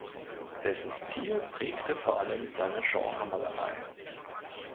Dessen Stil prägte vor allem seine Genremalerei.